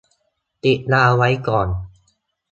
ติดดาวไว้ก่อน